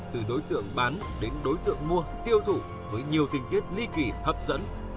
từ đối tượng bán đến đối tượng mua tiêu thụ với nhiều tình tiết ly kỷ hấp dẫn